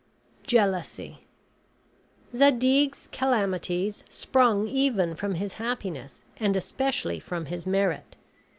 JEALOUSY Zadig's calamities sprung even from his happiness and especially from his merit.